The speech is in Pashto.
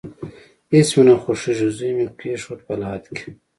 هیڅ مې نه خوښیږي، زوی مې کیښود په لحد کې